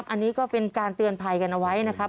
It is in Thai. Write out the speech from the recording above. อันนี้ก็เป็นการเตือนภัยกันเอาไว้นะครับ